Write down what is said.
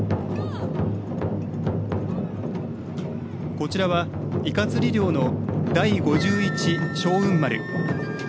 こちらは、イカ釣り漁の「第五十一勝運丸」。